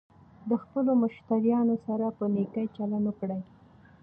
د خپلو مشتریانو سره په نېکۍ چلند وکړئ.